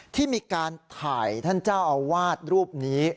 ที่มีการถ่ายท่านเจ้าอาวาสรูปนี้